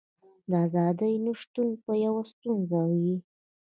د ازادۍ نشتون به یوه ستونزه وي.